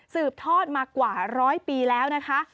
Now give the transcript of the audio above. สืบทอดมากว่าร้อยปีแล้วนะคะ